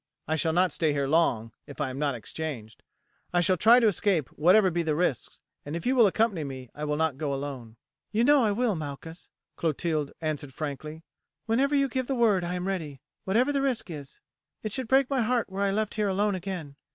I shall not stay here long if I am not exchanged. I shall try to escape whatever be the risks, and if you will accompany me I will not go alone." "You know I will, Malchus," Clotilde answered frankly. "Whenever you give the word I am ready, whatever the risk is. It should break my heart were I left here alone again."